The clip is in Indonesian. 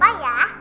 jangan lupa ya